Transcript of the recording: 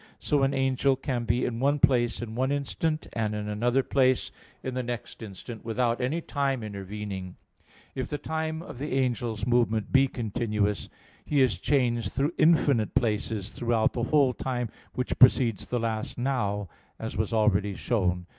So an angel can be in one place in one instant, and in another place in the next instant, without any time intervening. If the time of the angel's movement be continuous, he is changed through infinite places throughout the whole time which precedes the last 'now'; as was already shown (A.